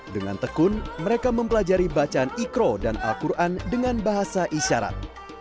dengan tekun mereka mempelajari bacaan ikro dan al quran dengan bahasa isyarat